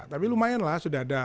tapi lumayan lah sudah ada